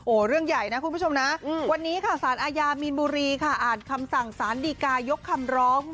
โอ้เรื่องใหญ่นะคุณผู้ชมวันนี้ศาลอายามีนบุรีอ่านคำสั่งศาลดีกายกคำร้อง